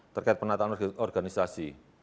terkait penataan organisasi